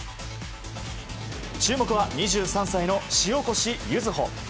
注目は２３歳の塩越柚歩。